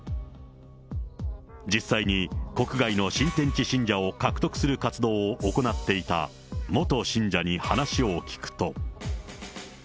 実際に国外の新天地信者を獲得する活動を行っていた元信者に話を聞くと。